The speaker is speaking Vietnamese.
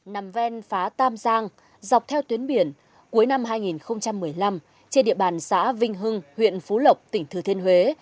nằm ven phá tam giang dọc theo tuyến biển cuối năm hai nghìn một mươi năm trên địa bàn xã vinh hưng huyện phú lộc tỉnh thừa thiên huế